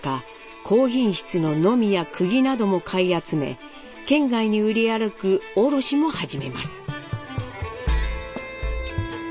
高品質のノミやクギなども買い集め県外に売り歩く卸も始めます。